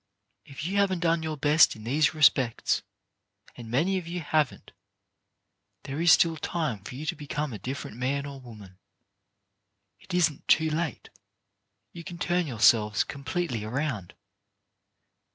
If you haven't done your best in these respects — and many of you haven't — there is still time for you to become a different man or woman. It isn't too late. You can turn yourselves completely around.